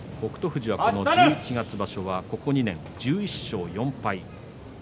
富士は十一月場所はここ２年１１勝４敗。